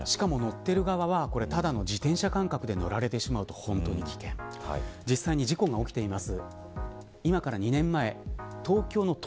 乗っている側はただの自転車感覚で乗られててしまうと実際に事故が起きています。